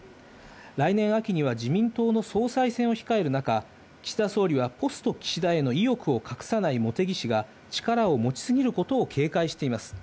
来年秋には自民党の総裁選を控える中、岸田総理はポスト岸田への意欲を隠さない茂木氏が、力を持ち過ぎることを警戒しています。